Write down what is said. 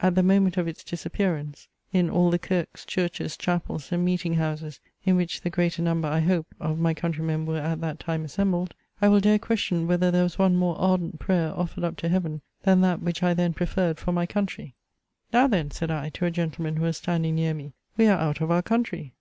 At the moment of its disappearance in all the kirks, churches, chapels, and meeting houses, in which the greater number, I hope, of my countrymen were at that time assembled, I will dare question whether there was one more ardent prayer offered up to heaven, than that which I then preferred for my country. "Now then," (said I to a gentleman who was standing near me,) "we are out of our country."